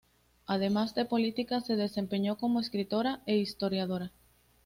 Además de política, se desempeñó como escritora e historiadora.